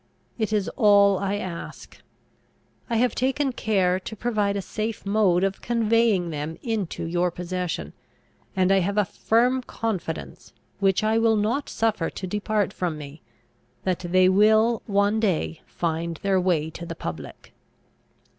It is all I ask! I have taken care to provide a safe mode of conveying them into your possession: and I have a firm confidence, which I will not suffer to depart from me, that they will one day find their way to the public!